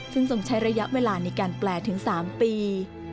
ซึ่งทรงใช้ระยะเวลาในการแปลถึง๓ปี